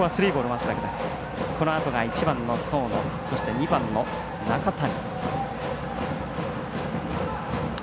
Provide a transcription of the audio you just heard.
このあとが１番の僧野そして２番、中谷。